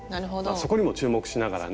そこにも注目しながらね。